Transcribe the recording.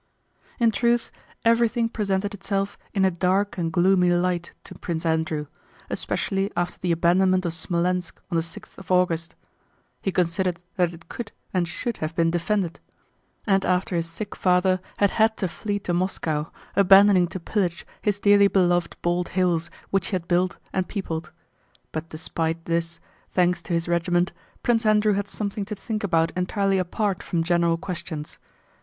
In truth everything presented itself in a dark and gloomy light to Prince Andrew, especially after the abandonment of Smolénsk on the sixth of August (he considered that it could and should have been defended) and after his sick father had had to flee to Moscow, abandoning to pillage his dearly beloved Bald Hills which he had built and peopled. But despite this, thanks to his regiment, Prince Andrew had something to think about entirely apart from general questions.